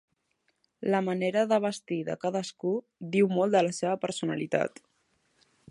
La manera de vestir de cadascú diu molt de la seva personalitat.